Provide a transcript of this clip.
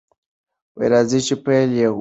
راځئ چې پیل یې کړو.